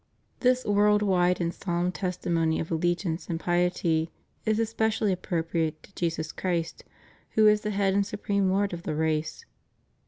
This world wide and solemn testimony of allegiance and piety is especially appropriate to Jesus Christ, who is the Head and supreme Lord of the race.